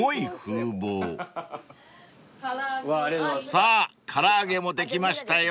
［さぁ唐揚げもできましたよ］